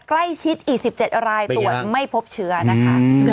ใกล้ชิดอีก๑๗รายตรวจไม่พบเชื้อนะคะ